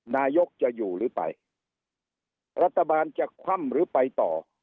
นายกจะอยู่หรือไปรัฐบาลจะคว่ำหรือไปต่อ